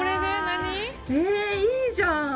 えいいじゃん。